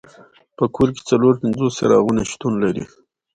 په کور کې څلور پنځوس څراغونه شتون لري.